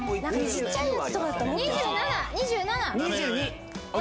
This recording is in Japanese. ちっちゃいやつとかだったら。